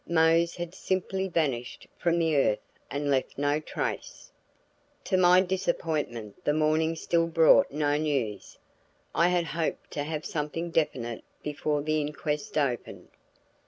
Mose had simply vanished from the earth and left no trace. To my disappointment the morning still brought no news; I had hoped to have something definite before the inquest opened.